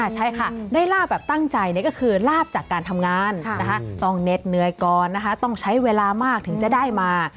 ใช่ค่ะได้ลาบแบบตั้งใจก็คือลาบจากการทำงานต้องเหน็ดเหนื่อยก่อนนะคะต้องใช้เวลามากถึงจะได้มา